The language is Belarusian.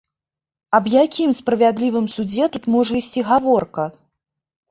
Аб якім справядлівым судзе тут можа ісці гаворка?